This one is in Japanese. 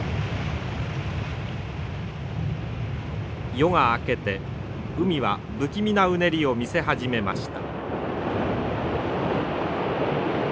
夜が明けて海は不気味なうねりを見せ始めました。